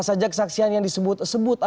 sampai jumpa di sampai jumpa